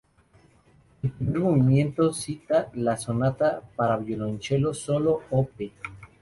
El primer movimiento cita la "Sonata para violoncello solo, Op.